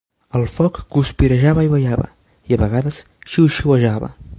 El foc guspirejava i ballava, i a vegades xiuxiuejava.